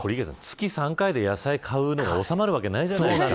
月３回で野菜を買うのが収まるわけないじゃないですか。